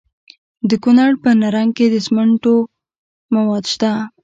د کونړ په نرنګ کې د سمنټو مواد شته.